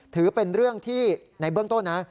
ถือเป็นเรื่องที่ในเบื้องต้นนะ